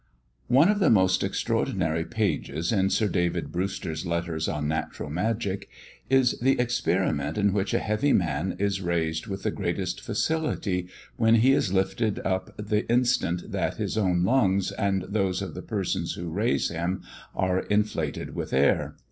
One of the most extraordinary pages in Sir David Brewster's Letters on Natural Magic, is the experiment in which a heavy man is raised with the greatest facility, when he is lifted up the instant that his own lungs, and those of the persons who raise him, are inflated with air.